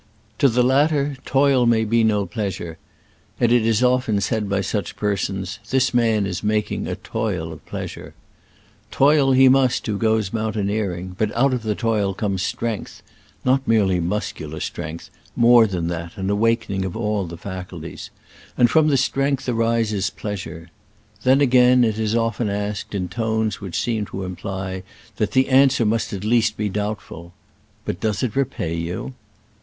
To the latter toil may be no pleasure, and it is often said by such persons, *' This man is making a toil of pleasure." Toil he must who goes mountaineering, but out of the toil comes strength (not merely muscular energy — more than that, an awakening of all the faculties), and from the strength arises pleasure. Then, again, it is often asked, in tones which seem to imply that 'the answer must at least be doubtful, '* But does it repay you